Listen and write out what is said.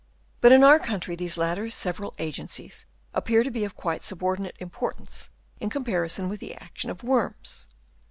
But in our country these latter several agencies appear to be of quite subordinate importance in comparison with the action of worms.